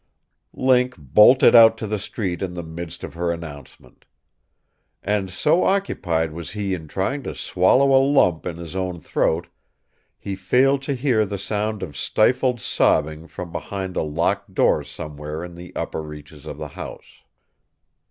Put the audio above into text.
Link bolted out to the street in the midst of her announcement. And, so occupied was he in trying to swallow a lump in his own throat, he failed to hear the sound of stifled sobbing from behind a locked door somewhere in the upper reaches of the house.